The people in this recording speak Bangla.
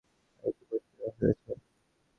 এখন তো বেলা পশ্চিমে হেলেছে।